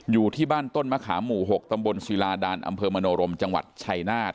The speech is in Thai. อยู่ที่บ้านต้นมะขามหมู่๖ตำบลศิลาดานอำเภอมโนรมจังหวัดชัยนาธ